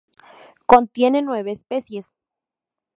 Contiene nueve especies.